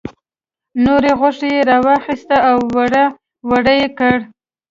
نوره غوښه یې را واخیسته او وړه وړه یې کړه.